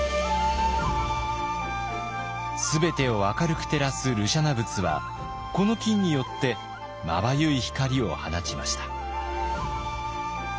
全てを明るく照らす慮舎那仏はこの金によってまばゆい光を放ちました。